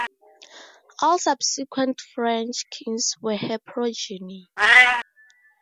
All subsequent French kings were her progeny.